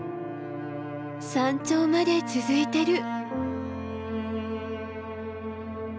山頂まで続いてる。